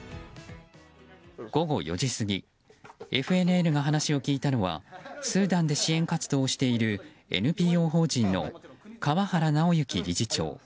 午後４時過ぎＦＮＮが話を聞いたのはスーダンで支援活動をしているＮＰＯ法人の川原尚行理事長。